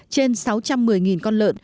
trên sáu trăm một mươi con châu bò